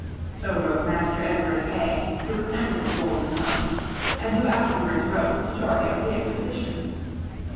So wrote Master Edward Hay who commanded the Golden Hind, and who afterwards wrote the story of the expedition.